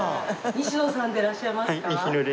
西野さんでいらっしゃいますか？